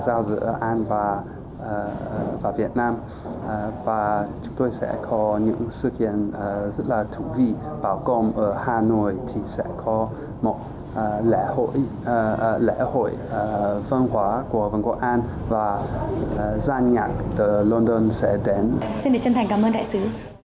xin để chân thành cảm ơn đại sứ